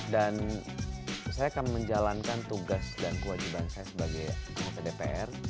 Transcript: dan saya akan menjalankan tugas dan kewajiban saya sebagai kpu dpr